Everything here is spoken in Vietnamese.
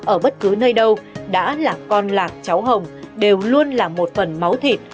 ở bất cứ nơi đâu đã là con lạc cháu hồng đều luôn là một phần máu thịt